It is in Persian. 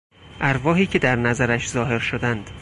ارواحی که در نظرش ظاهر شدند